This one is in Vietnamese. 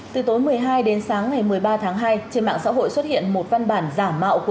từ tối một mươi hai đến sáng ngày một mươi ba tháng hai trên mạng xã hội xuất hiện một văn bản giả mạo